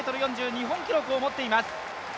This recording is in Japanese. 日本記録を持っています。